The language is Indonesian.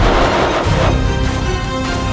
kau tidak bisa menang